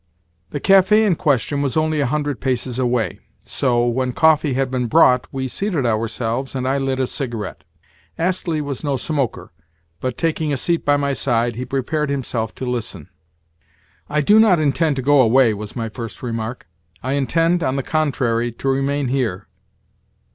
The café in question was only a hundred paces away; so, when coffee had been brought, we seated ourselves, and I lit a cigarette. Astley was no smoker, but, taking a seat by my side, he prepared himself to listen. "I do not intend to go away," was my first remark. "I intend, on the contrary, to remain here."